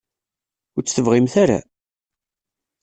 Ur tt-tebɣimt ara?